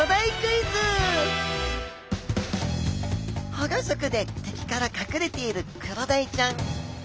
保護色で敵から隠れているクロダイちゃん。